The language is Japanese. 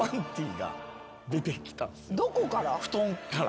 どこから？